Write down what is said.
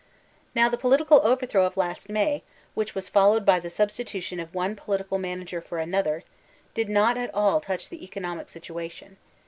Now the political overthrow of last May, which was followed by the substitution of one political manager for another, did not at all touch the economic situation.